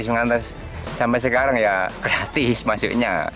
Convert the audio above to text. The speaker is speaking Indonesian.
iseng iseng sampai sekarang ya gratis maksudnya